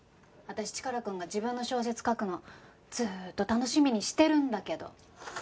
私チカラくんが自分の小説書くのずーっと楽しみにしてるんだけど。